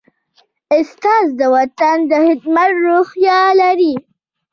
استاد د وطن د خدمت روحیه لري.